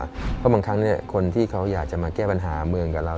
เพราะบางครั้งคนที่เขาอยากจะมาแก้ปัญหาเมืองกับเรา